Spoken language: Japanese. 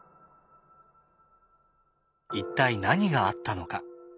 一体何があったのか？